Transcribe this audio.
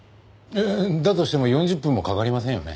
だとしても４０分もかかりませんよね？